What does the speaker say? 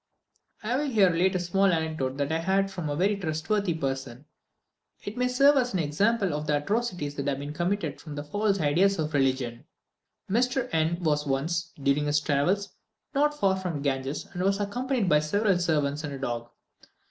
I will here relate a short anecdote that I had from a very trustworthy person. It may serve as an example of the atrocities that are often committed from false ideas of religion. Mr. N was once, during his travels, not far from the Ganges, and was accompanied by several servants and a dog.